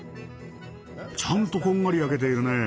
ちゃんとこんがり焼けているね。